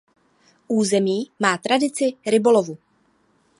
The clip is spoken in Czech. Území má tradici rybolovu.